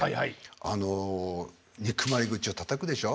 あの憎まれ口をたたくでしょ？